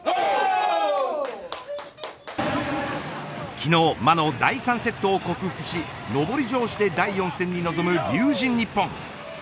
昨日、魔の第３セットを克服し上り調子で第４戦に臨む龍神ＮＩＰＰＯＮ。